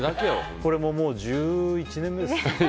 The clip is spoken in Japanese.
これも１１年目です。